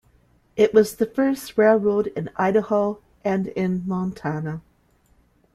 It was the first railroad in Idaho and in Montana.